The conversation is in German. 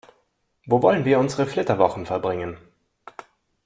Wo wollen wir unsere Flitterwochen verbringen?